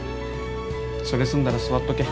それ済んだら座っとけ。